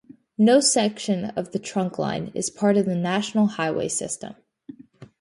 No section of the trunkline is part of the National Highway System.